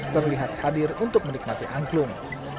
terlihat hadir untuk menikmati angklung